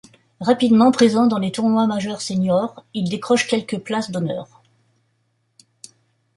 Rapidement présent dans les tournois majeurs seniors, il décroche quelques places d'honneur.